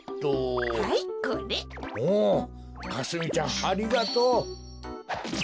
おおかすみちゃんありがとう。